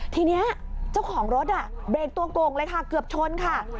ทีนี้เจ้าของรถเบรกตัวโก่งเลยค่ะเกือบชนค่ะ